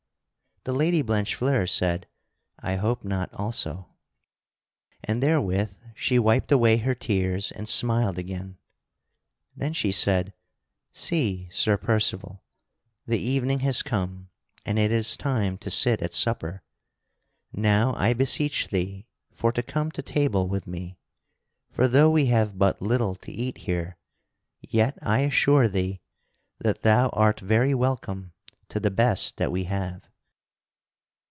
The Lady Blanchefleur said: "I hope not also." And therewith she wiped away her tears and smiled again. Then she said: "See, Sir Percival, the evening has come and it is time to sit at supper, now I beseech thee for to come to table with me, for though we have but little to eat here, yet I assure thee that thou art very welcome to the best that we have."